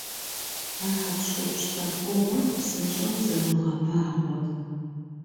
А хьэпщхупщ лъэпкъыгъуэр псынщIэу зэрогъэбагъуэ.